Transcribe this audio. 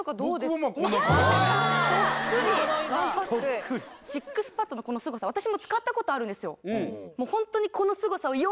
僕はまあこんな感じ・そっくり「そっくり」ＳＩＸＰＡＤのこのすごさ私も使ったことあるんですよ